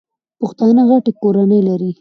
پښتانه غټي کورنۍ لري.